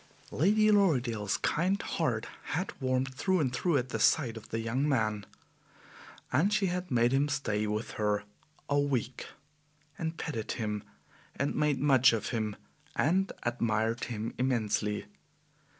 Lady Lorridaile's kind heart had warmed through and through at the sight of the young man, and she had made him stay with her a week, and petted him, and made much of him and admired him immensely.